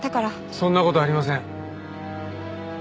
そんな事ありません。